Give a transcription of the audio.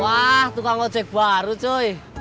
wah tukang ojak baru cuy